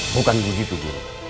bukan begitu guru